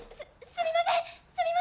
すみません！